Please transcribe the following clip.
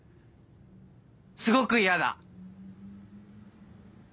すごく嫌だ！